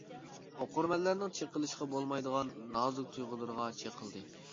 ئوقۇرمەنلەرنىڭ چىقىلىشقا بولمايدىغان نازۇك تۇيغۇلىرىغا چىقىلدى.